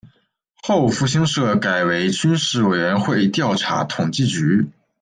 后复兴社改为军事委员会调查统计局。